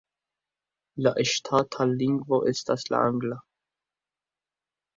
La ŝtata lingvo estas la angla.